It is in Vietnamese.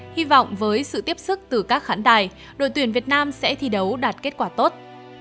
hy vọng với sự tiếp sức từ các khán đài đội tuyển việt nam sẽ thi đấu đạt kết quả tốt